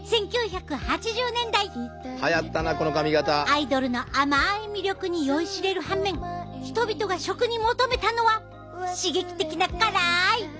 アイドルの甘い魅力に酔いしれる反面人々が食に求めたのは刺激的な辛いスナック。